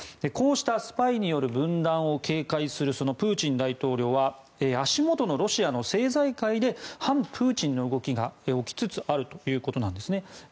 こうしたスパイによる分断を警戒するプーチン大統領は足元のロシアの政財界で反プーチンの動きが起きつつあるということなんですね。